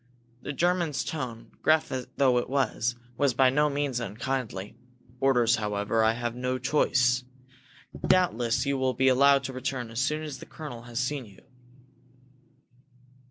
The German's tone, gruff though it was, was by no means unkindly. "Orders, however I have no choice. Doubtless you will be allowed to return as soon as the colonel has seen you."